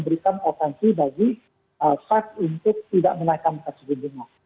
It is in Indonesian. berikan potensi bagi sad untuk tidak menaikkan kebijakan